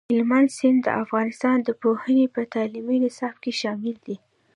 هلمند سیند د افغانستان د پوهنې په تعلیمي نصاب کې شامل دی.